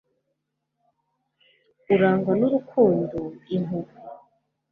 urangwa n'urukundo, impuhwe